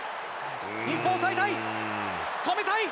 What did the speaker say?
日本、おさえたい、止めたい！